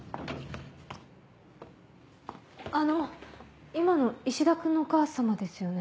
あの今の石田君のお母様ですよね。